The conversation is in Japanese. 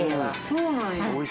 そうなんや。